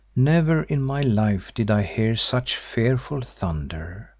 Never in my life did I hear such fearful thunder.